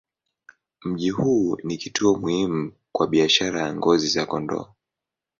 Mji huu ni kituo muhimu kwa biashara ya ngozi za kondoo.